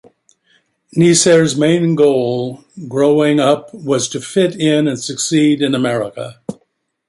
Neisser's main goal growing up was to fit in and succeed in America.